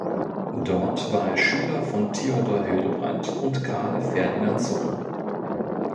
Dort war er Schüler von Theodor Hildebrandt und Karl Ferdinand Sohn.